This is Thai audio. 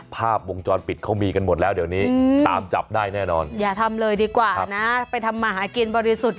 ภาพวงจรปิดเขามีกันหมดแล้วเดี๋ยวนี้ตามจับได้แน่นอนอย่าทำเลยดีกว่านะไปทำมาหากินบริสุทธิ์